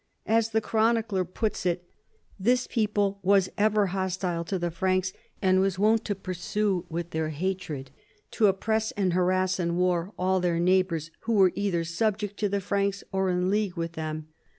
As the chronicler puts it :" This people was ever hostile to the Franks, and was wont 14 210 CHARLEMAGNE. to pursue with their hatred, to oppress and harass in war all their neighbors who were either subject to the Franks or in league with them.